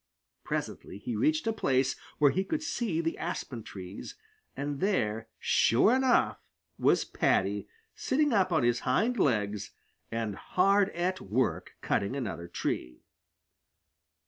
Presently he reached a place where he could see the aspen trees, and there sure enough was Paddy, sitting up on his hind legs and hard at work cutting another tree.